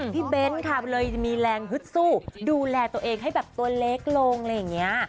เบ้นค่ะเลยจะมีแรงฮึดสู้ดูแลตัวเองให้แบบตัวเล็กลงอะไรอย่างนี้